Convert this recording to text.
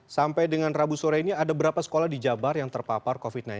sampai dengan rabu sore ini ada berapa sekolah di jabar yang terpapar covid sembilan belas